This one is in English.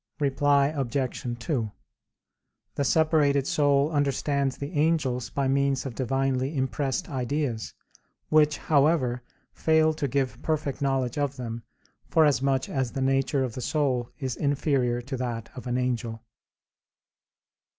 Reply Obj. 2: The separated soul understands the angels by means of divinely impressed ideas; which, however, fail to give perfect knowledge of them, forasmuch as the nature of the soul is inferior to that of an angel.